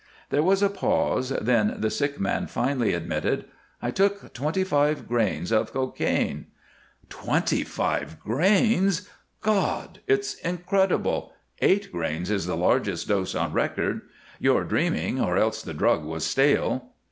There was a pause, then the sick man finally admitted, "I took twenty five grains of cocaine." "Twenty five grains! God! It's incredible! Eight grains is the largest dose on record. You're dreaming, or else the drug was stale."